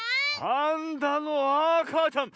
パンダのあかちゃん。